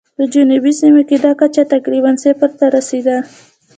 په جنوبي سیمو کې دا کچه تقریباً صفر ته رسېده.